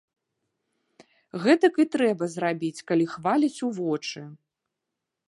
Гэтак і трэба зрабіць, калі хваляць у вочы.